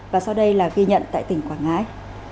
và sau đây là ghi nhận tại tỉnh quảng ngãi